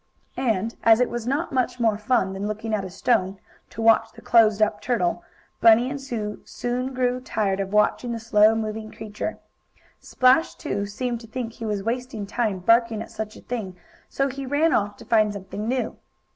And, as it was not much more fan than looking at a stone, to watch the closed up turtle, Bunny and Sue soon grew tired of watching the slow moving creature. Splash, too, seemed to think he was wasting time barking at such a thing, so he ran off to find something new.